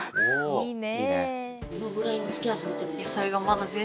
いいね。